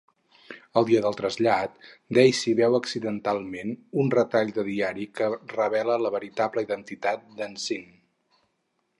El dia dle trasllat, Daisy veu accidentalment un retall de diari que revela la veritable identitat de Sean.